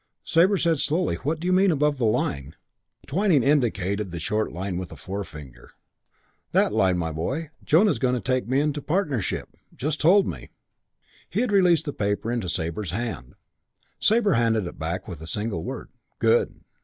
Sabre said slowly, "What do you mean you 'above the line'?" Twyning indicated the short line with a forefinger. "That line, my boy. Jonah's going to take me into partnership. Just told me." He had released the paper into Sabre's hand. Sabre handed it back with a single word, "Good."